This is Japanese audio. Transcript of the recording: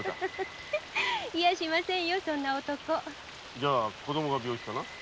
じゃ子供が病気かな？